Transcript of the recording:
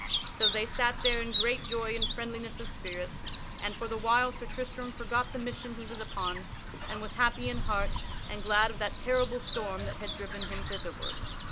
So they sat there in great joy and friendliness of spirit, and, for the while, Sir Tristram forgot the mission he was upon and was happy in heart and glad of that terrible storm that had driven him thitherward.